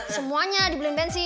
semuanya dibeliin bensin